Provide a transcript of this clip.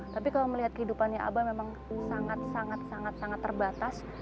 tapi kalau melihat kehidupannya abah memang sangat sangat sangat terbatas